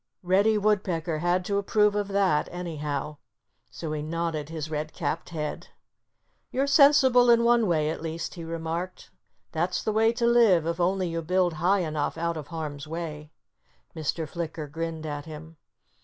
Reddy Woodpecker had to approve of that, anyhow. So he nodded his red capped head. "You're sensible in one way, at least," he remarked. "That's the way to live, if only you build high enough, out of harm's way." Mr. Flicker grinned at him.